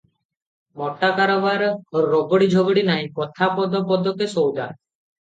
ମୋଟା କାରବାର, ରଗଡ଼ି ଝଗଡ଼ି ନାହିଁ; କଥା ପଦ ପଦକେ ସଉଦା ।